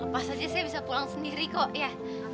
masa aja saya bisa pulang sendiri kok ya